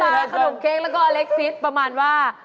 ขนมเค้กแล้วก็อเล็กซิสประมาณว่า